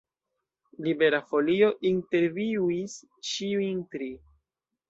Libera Folio intervjuis ĉiujn tri.